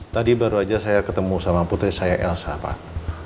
tadi baru saja saya ketemu sama putri saya elsa pak